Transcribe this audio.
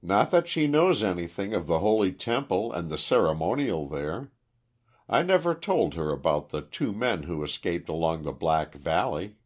Not that she knows anything of the Holy Temple and the ceremonial there. I never told her about the two men who escaped along the Black Valley.